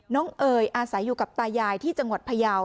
เอ๋ยอาศัยอยู่กับตายายที่จังหวัดพยาว